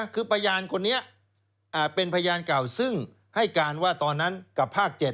คือพยานคนนี้เป็นพยานเก่าซึ่งให้การว่าตอนนั้นกับภาค๗